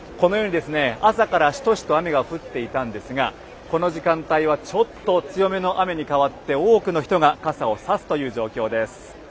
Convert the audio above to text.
朝からしとしと雨が降っていたんですがこの時間帯はちょっと強めの雨に変わって多くの人が傘を差すという状況です。